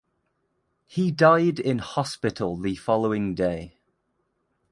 He died in hospital the following day.